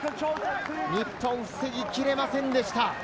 日本、防ぎきれませんでした。